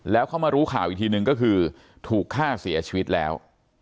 แล้วเขามารู้ข่าวอีกทีนึงก็คือถูกฆ่าเสียชีวิตแล้ว